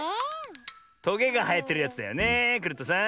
トゲがはえてるやつだよねえクルットさん。